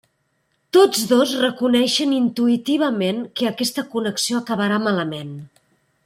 Tots dos reconeixen intuïtivament que aquesta connexió acabarà malament.